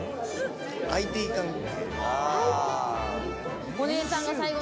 ＩＴ関係。